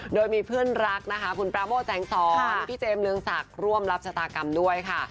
โดยมีเพื่อนรักนะคะคุณปราโม่แสงสอนพี่เจมสเรืองศักดิ์ร่วมรับชะตากรรมด้วยค่ะ